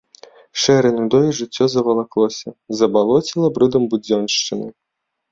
Шэрай нудой жыццё завалаклося, забалоціла брудам будзёншчыны.